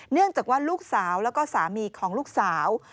เนื่องจากว่าลูกสาวแล้วก็สามีของลูกสาว